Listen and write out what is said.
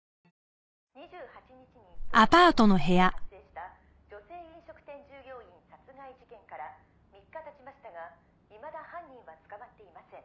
「２８日に東京町田市で発生した女性飲食店従業員殺害事件から３日経ちましたがいまだ犯人は捕まっていません」